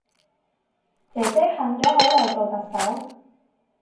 姐姐恨咗好耐做特首